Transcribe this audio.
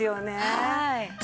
はい。